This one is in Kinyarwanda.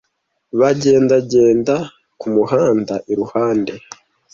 Bagendagenda kumuhanda iruhande.